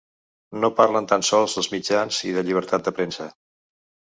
No parlen tan sols dels mitjans i de llibertat de premsa.